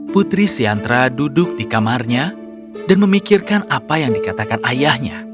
putri siantra duduk di kamarnya dan memikirkan apa yang dikatakan ayahnya